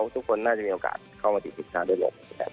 ทุกคนน่าจะมีโอกาสเข้ามาที่ปริติภาระด้วยลม